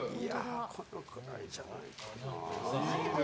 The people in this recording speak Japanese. このくらいじゃないかな。